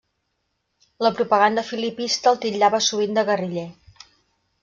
La propaganda filipista el titllava sovint de guerriller.